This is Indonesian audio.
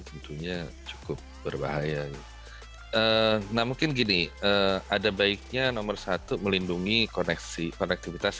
tentunya cukup berbahaya nah mungkin gini ada baiknya nomor satu melindungi koneksi konektivitas